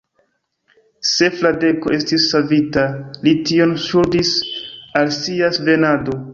Se Fradeko estis savita, li tion ŝuldis al sia svenado.